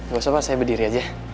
gak usah pak saya berdiri aja